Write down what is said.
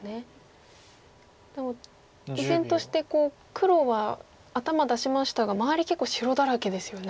でも依然として黒は頭出しましたが周り結構白だらけですよね。